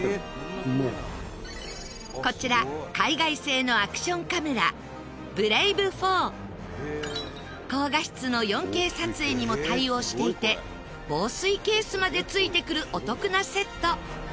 こちら高画質の４Ｋ撮影にも対応していて防水ケースまで付いてくるお得なセット。